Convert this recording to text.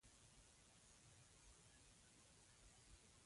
د افغانستان استازو اطلاعات خپرول.